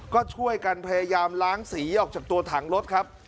ก็ช่วยกันพยายามล้างสีออกจากตัวถังรถครับ